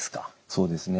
そうですね。